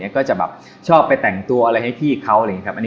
ก็จะชอบแต่งตัวให้พี่เขา